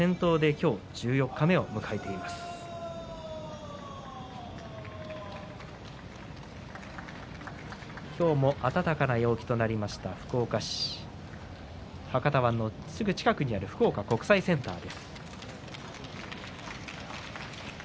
今日も暖かな陽気となりました福岡市博多湾のすぐ近くにある福岡国際センターです。